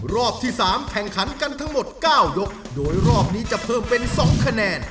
รอบที่๓แข่งขันกันทั้งหมด๙ยกโดยรอบนี้จะเพิ่มเป็น๒คะแนน